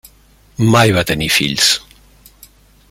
Mai va tenir fills.